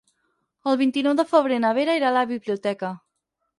El vint-i-nou de febrer na Vera irà a la biblioteca.